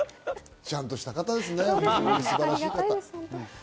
ちゃんとした方ですね、素晴らしい方。